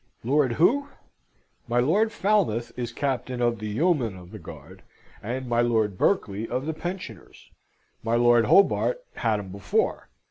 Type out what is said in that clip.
"Lord Who? My Lord Falmouth is Captain of the Yeomen of the Guard, and my Lord Berkeley of the Pensioners. My Lord Hobart had 'em before.